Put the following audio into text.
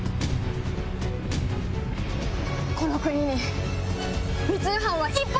この国に。